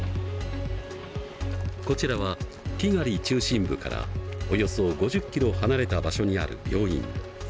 こちらはキガリ中心部からおよそ５０キロ離れた場所にある病院。